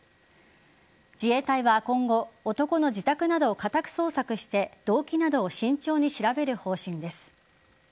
自衛隊は今後、男の自宅などを家宅捜索して動機などを慎重に調べる方針です。